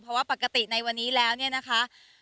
เพราะว่าปกติในวันนี้แล้วเนี่ยนะคะ